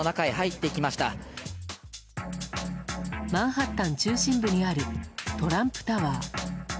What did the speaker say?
マンハッタン中心部にあるトランプタワー。